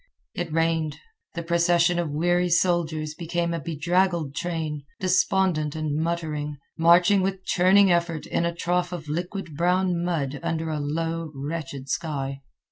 It rained. The procession of weary soldiers became a bedraggled train, despondent and muttering, marching with churning effort in a trough of liquid brown mud under a low, wretched sky.